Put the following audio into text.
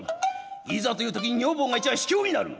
いざというときに女房がいちゃあ卑怯になる。